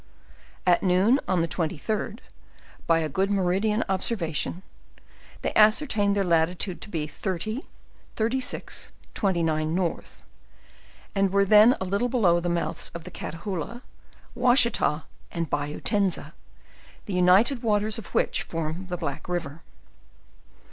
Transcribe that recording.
At noon on the 23d, by a good meridian observation, they ascertained their latitude to be 30, 36, 29, N. and were then a little below the mouths of the Catahoola, Washita, and Bayou Tenza, the united waters of which form the Black river.